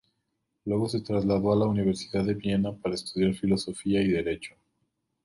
Luego se trasladó a la Universidad de Viena para estudiar filosofía y derecho.